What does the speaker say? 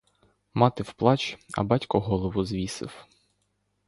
Мати в плач, а батько голову звісив.